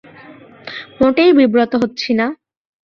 মোটেই বিব্রত হচ্ছি না।